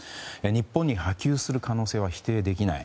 日本に波及する可能性は否定できない。